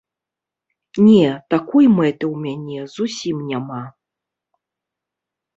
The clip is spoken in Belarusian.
Не, такой мэты ў мяне зусім няма.